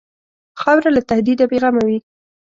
خاوره له تهدیده بېغمه وي.